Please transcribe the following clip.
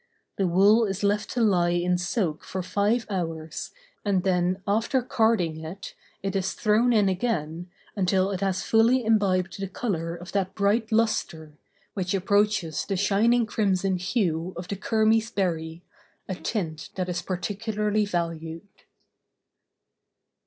The wool is left to lie in soak for five hours, and then, after carding it, it is thrown in again, until it has fully imbibed the color of that bright lustre, which approaches the shining crimson hue of the kermes berry, a tint that is particularly valued.